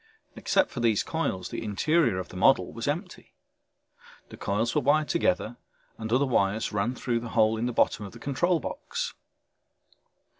Except for these coils the interior of the model was empty. The coils were wired together and other wires ran out through the hole in the bottom of the control box.